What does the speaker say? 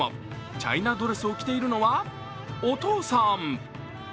チャイナドレスを着ているのはお父さん。